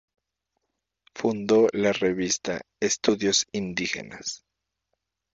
Fundó la revista "Estudios Indígenas".